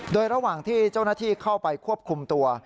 โดยระหว่างที่เจ้าหน้าที่เข้าไปควบคุมตัว